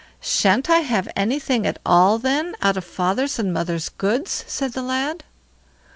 "Shan't I have anything at all, then, out of father's and mother's goods?" said the lad.